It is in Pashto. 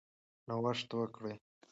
نوښت وکړئ.